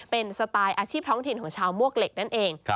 เป็นสไตล์อาชีพท้องถิ่นของชาวมวกเหล็กนั่นเอง